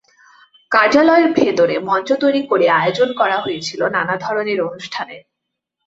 কার্যালয়ের ভেতরে মঞ্চ তৈরি করে আয়োজন করা হয়েছিল নানা ধরনের অনুষ্ঠানের।